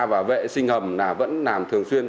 và vệ sinh hầm là vẫn làm thường xuyên